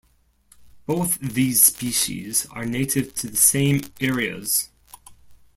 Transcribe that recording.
Both these species are native to the same areas.